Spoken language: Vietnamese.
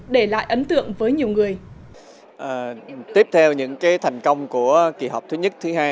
đã được thực hiện